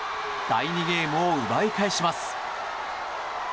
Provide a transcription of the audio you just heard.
第２ゲームを奪い返します。